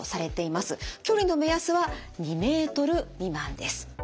距離の目安は２ｍ未満です。